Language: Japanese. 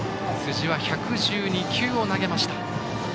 辻は１１２球を投げました。